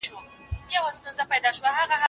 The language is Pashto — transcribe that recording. څه چې کرې هغه به ریبې.